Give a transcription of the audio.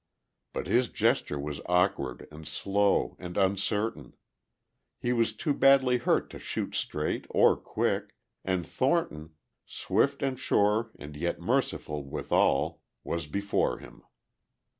But his gesture was awkward and slow and uncertain; he was too badly hurt to shoot straight or quick, and Thornton, swift and sure and yet merciful withal, was before him.